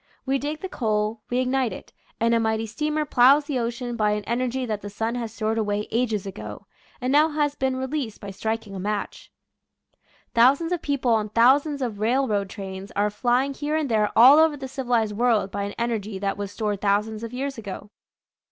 We dig the coal, we ignite it, and a mighty steamer plows the ocean by an energy that the sun has stored away ages ago, and now has been released by striking a match. Thousands of people on thousands of railroad trains are flying here and there all over the civilized world by an energy that was stored thousands of years ago.